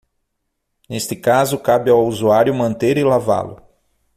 Neste caso, cabe ao usuário manter e lavá-lo.